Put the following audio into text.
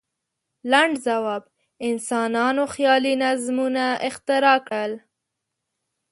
لنډ ځواب: انسانانو خیالي نظمونه اختراع کړل.